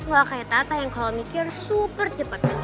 gak kayak tata yang kalau mikir super cepet